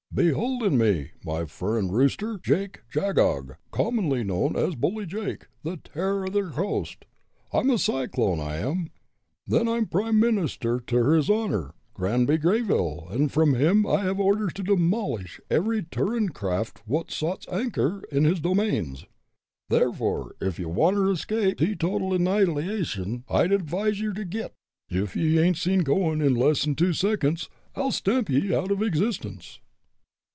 "Behold in me, my furin rooster, Jake Jogagog, commonly known as Bully Jake, the Terror o' ther Coast. I'm a cyclone, I am. Then, I'm prime minister ter his honor, Granby Greyville, an' from him I hev orders to demolish every furin craft wot sots anchor in his domains. Therefore, ef ye wanter escape teetotal annihilation, I'd advise ye ter git! Ef ye ain't seen goin' in less'n two seconds, I'll stamp ye out o' existence."